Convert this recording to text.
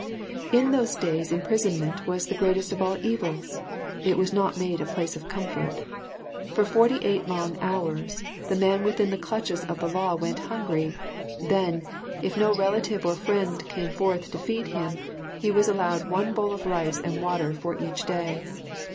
In those days imprisonment was the greatest of all evils; it was not made a place of comfort. For forty eight long hours, the man within the clutches of the law went hungry; then, if no relative or friend came forth to feed him, he was allowed one bowl of rice and water for each day.